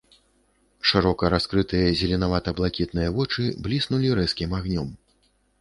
Шырока раскрытыя зеленавата-блакітныя вочы бліснулі рэзкім агнём.